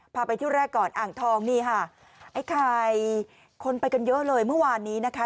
พาไปที่แรกก่อนอ่างทองนี่ค่ะไอ้ไข่คนไปกันเยอะเลยเมื่อวานนี้นะคะ